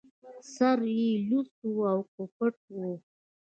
سر يې لڅ و او که پټ و